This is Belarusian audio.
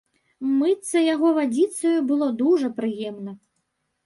Мыцца яго вадзіцаю было дужа прыемна.